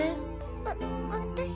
わわたし。